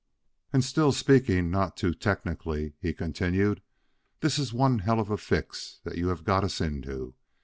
"And still speaking not too technically," he continued, "this is one hell of a fix that you have got us into.